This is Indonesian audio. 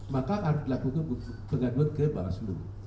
maka harus dilakukan pengaduan ke bawaslu